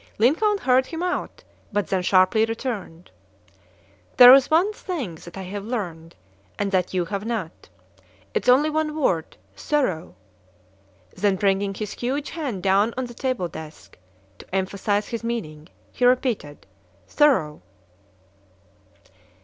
Lincoln heard him out, but then sharply returned: "There is one thing that I have learned, and that you have not. It is only one word: 'Thorough!'" Then bringing his huge hand down on the table desk, to emphasize his meaning, he repeated: "Thorough!"